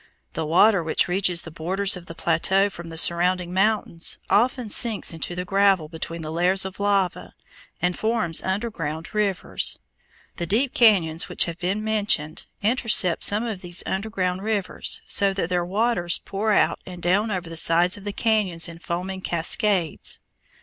The water which reaches the borders of the plateau from the surrounding mountains often sinks into the gravel between the layers of lava and forms underground rivers. The deep cañons which have been mentioned intercept some of these underground rivers, so that their waters pour out and down over the sides of the cañons in foaming cascades.